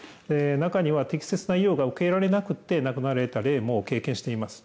中には適切な医療が受けられなくて亡くなられた例も経験しています。